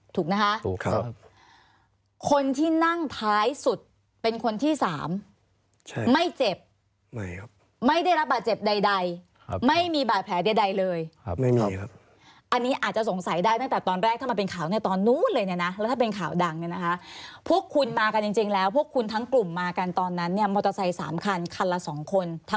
ถูกนะคะถูกครับคนที่นั่งท้ายสุดเป็นคนที่สามใช่ไม่เจ็บไม่ครับไม่ได้รับบาดเจ็บใดไม่มีบาดแผลใดเลยครับไม่มีครับอันนี้อาจจะสงสัยได้ตั้งแต่ตอนแรกถ้ามันเป็นข่าวในตอนนู้นเลยเนี่ยนะแล้วถ้าเป็นข่าวดังเนี่ยนะคะพวกคุณมากันจริงแล้วพวกคุณทั้งกลุ่มมากันตอนนั้นเนี่ยมอเตอร์ไซค์สามคันคันละสองคนทั้ง